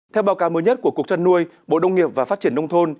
theo báo cáo mới nhất của cục trăn nuôi bộ đông nghiệp và phát triển nông thôn